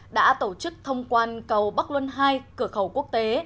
đã tổ chức thông quan cầu bắc luân hai cửa khẩu quốc tế